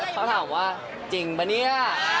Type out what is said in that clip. เขาถามว่าจริงปะเนี่ย